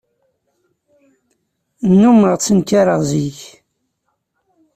Nnummeɣ ttenkareɣ zik.